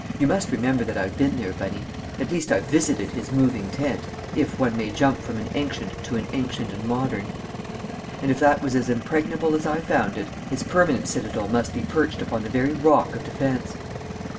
You must remember that I've been there, Bunny; at least I've visited his 'moving tent,' if one may jump from an ancient to an 'Ancient and Modern.' And if that was as impregnable as I found it, his permanent citadel must be perched upon the very rock of defence!"